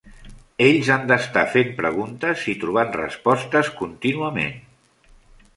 Ells han d"estar fent preguntes i trobant respostes contínuament.